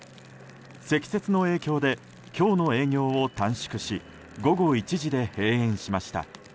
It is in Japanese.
積雪の影響で今日の営業を短縮し午後１時で閉園しました。